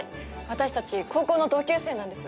私たち高校の同級生なんです。